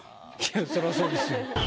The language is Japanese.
そらそうですよ。